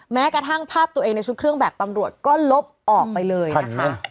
แม้กระทั่งภาพตัวเองในชุดเครื่องแบบตำรวจก็ลบออกไปเลยนะคะ